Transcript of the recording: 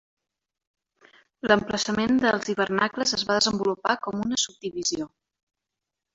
L'emplaçament dels hivernacles es va desenvolupar com una subdivisió.